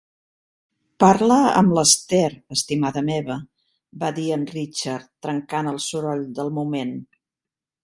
"Parla amb l'Esther, estimada meva", va dir en Richard, trencant el soroll del moment.